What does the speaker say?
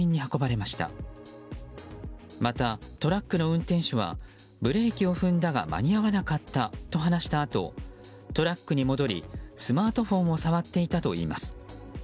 またトラックの運転手はブレーキを踏んだが間に合わなかったと話したあと、トラックに戻りスマートフォンを触っていたといいます。